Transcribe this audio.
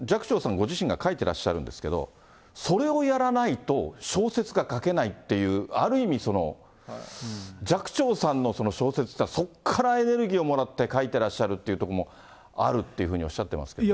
ご自身が書いてらっしゃるんですけど、それをやらないと、小説が書けないっていう、ある意味、寂聴さんの小説というのは、そこからエネルギーをもらって書いてらっしゃるっていうところもあるっていうふうにおっしゃってますけどね。